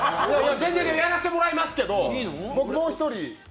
全然やらせてもらいますけど、もう１人。